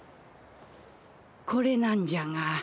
これなんじゃが。